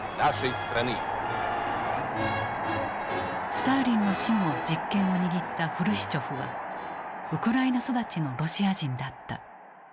スターリンの死後実権を握ったフルシチョフはウクライナ育ちのロシア人だった。